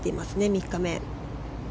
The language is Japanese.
３日目。